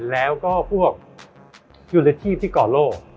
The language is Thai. แล้วก็พวกยูลชีพที่ก่อโลก